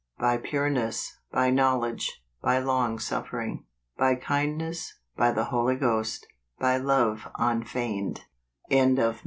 " By pureness, by knowledge, by longsuffering, by kindiiess, by the ^ oly Ghost, by love unfeigned